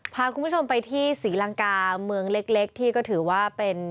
พาคุณผู้ชมไปที่ศรีลังกาเมืองเล็กที่ก็ถือว่าเป็น